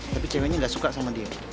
tapi ceweknya nggak suka sama dia